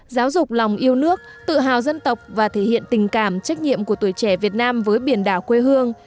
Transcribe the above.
giáo dục lòng yêu nước tự hào dân tộc và thể hiện tình cảm trách nhiệm của tuổi trẻ việt nam với biển đảo quê hương